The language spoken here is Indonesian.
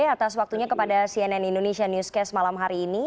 atas waktunya kepada cnn indonesia newscast malam hari ini